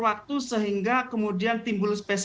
waktu sehingga kemudian timbul